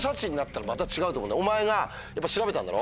お前が調べたんだろ？